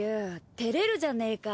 照れるじゃねえか。